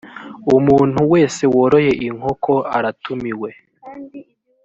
umuntu wese woroye inkoko aratumiwe.